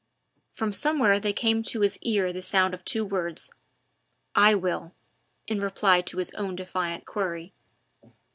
From somewhere there came to his ear the sound of two words: "I will!" in reply to his own defiant query.